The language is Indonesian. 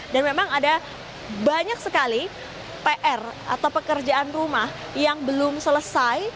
dan memang ada banyak sekali pr atau pekerjaan rumah yang belum selesai